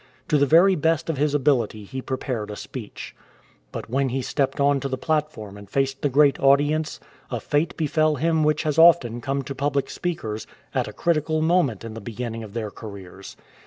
To the very best of his ability he prepared a speech. But when he stepped on to the platform and faced the great audience, a fate befell him which has often come to public speakers at a critical moment in the beginning of their careers.